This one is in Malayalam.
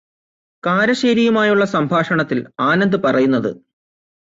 കാരശേരിയുമായുള്ള സംഭാഷണത്തില് ആനന്ദ് പറയുന്നത്